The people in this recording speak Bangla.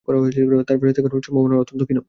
তাঁর ফেরেশতা হওয়ার সম্ভাবনা অত্যন্ত ক্ষীণ।